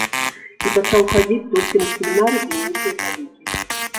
І пачаў хадзіць толькі на семінары і нейкія залікі.